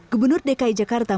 kepala dki jakarta